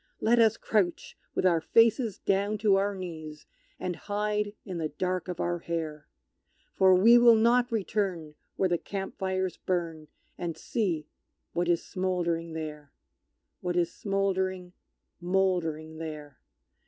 Let us crouch with our faces down to our knees, And hide in the dark of our hair; For we will not return where the camp fires burn, And see what is smouldering there What is smouldering, mouldering there!